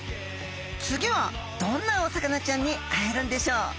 次はどんなお魚ちゃんに会えるんでしょう？